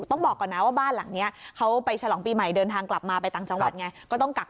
ต้องบอกก่อนนะบ้านหลังเนี้ยเขาไปฉลองปีใหม่เดินทางกลับมาไปต่างจังหวัดไง